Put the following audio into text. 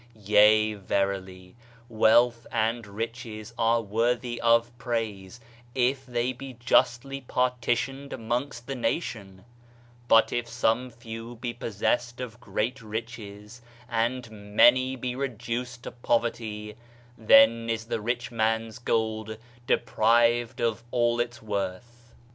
Yea verily, wealth and riches are worthy of praise if they be justly partitioned amongst the nation, but if some few be possessed of great riches, and many be reduced to poverty, then is the rich man's gold deprived of all its worth.